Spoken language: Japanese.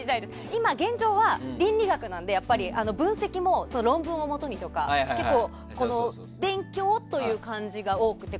今、現状は、倫理学なので分析も論文をもとにとか結構、勉強という感じが多くて。